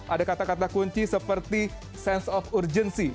ada kata kata kunci seperti sense of urgency